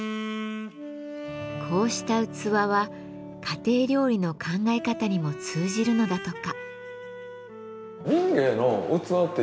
こうした器は家庭料理の考え方にも通じるのだとか。